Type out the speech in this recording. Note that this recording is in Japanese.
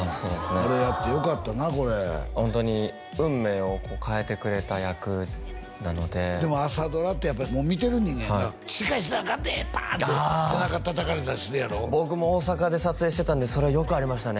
これやって良かったなこれホントに運命を変えてくれた役なのででも朝ドラってやっぱ見てる人間がしっかりしなあかんでパーンって背中叩かれたりするやろ僕も大阪で撮影してたんでそれよくありましたね